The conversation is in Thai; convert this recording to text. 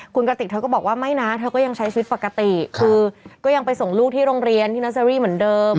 คุณกติกเธอก็บอกว่าไม่นะเธอก็ยังใช้ชีวิตปกติคือก็ยังไปส่งลูกที่โรงเรียนที่เนอร์เซอรี่เหมือนเดิม